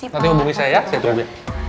nanti hubungi saya ya saya tunggu